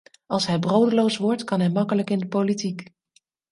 Als hij brodeloos wordt, kan hij makkelijk in de politiek.